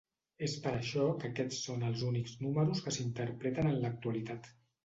És per això que aquests són els únics números que s'interpreten en l'actualitat.